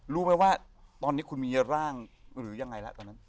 รู้ไหมว่าตอนนี้คุณมีร่างหรือยังไงแล้วตอนนั้น